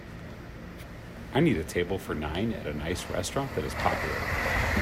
I need a table for nine at a nice restaurant that is popular